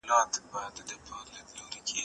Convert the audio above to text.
زه کتابونه لوستي دي؟